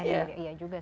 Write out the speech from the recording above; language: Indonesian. iya juga sih